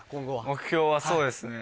目標はそうですね